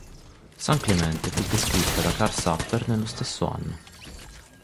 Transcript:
San Clemente fu descritta da Karl Sapper nello stesso anno.